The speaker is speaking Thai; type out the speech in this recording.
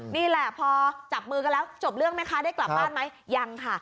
นี่แหละพอจับมือกันแล้วจบเรื่องไหมคะได้กลับบ้านไหมยังค่ะ